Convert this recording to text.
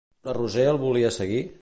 La Roser el volia seguir?